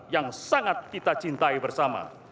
yang sangat kita cintai bersama